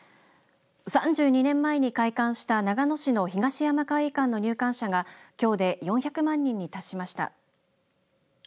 ３２年前に開館した長野市の東山魁夷館の入館者がきょうで４００万人に達しました。